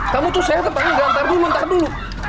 kamu tuh sehat atau enggak ntar dulu ntar dulu